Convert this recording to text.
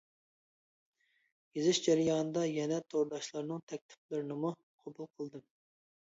يېزىش جەريانىدا يەنە تورداشلارنىڭ تەكلىپلىرىنىمۇ قوبۇل قىلدىم.